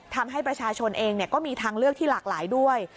ทำให้ประชาชนเองก็มีทางเลือกที่หลากหลายด้วย